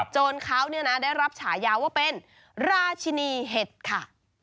จนเขาได้รับฉายาว่าเป็นราชินีเห็ดค่ะ